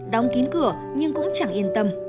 đóng kín cửa nhưng cũng chẳng yên tâm